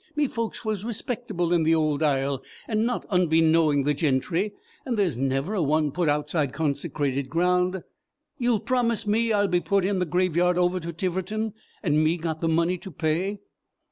Me folks was respectable in the Old Isle, an' not unbeknowing the gentry; and there's never a one put outside consecrated ground. Ye'll promise me I'll be put in the graveyard over to Tiverton, and me got the money to pay."